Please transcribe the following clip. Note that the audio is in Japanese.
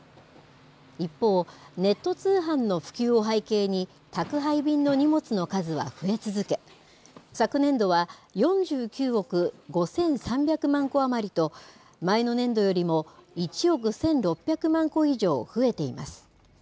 一方、ネット通販の普及を背景に、宅配便の荷物の数は増え続け、昨年度は４９億５３００万個余りと、前の年度よりも１億１６００万個以上増えています。